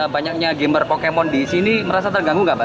banyaknya gamer pokemon di sini merasa terganggu nggak pak